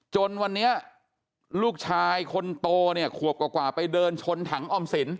จนวันนี้ลูกชายคนโตเนี่ยขวบกว่าไปเดินชนถังออมสิน